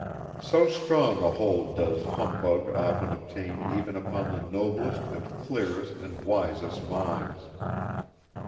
So strong a hold does humbug often obtain even upon the noblest and clearest and wisest minds!